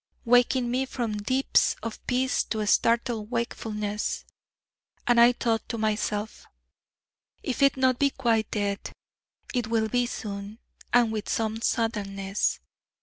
waking me from deeps of peace to startled wakefulness. And I thought to myself: 'If it be not quite dead, it will be soon and with some suddenness!'